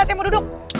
saya mau duduk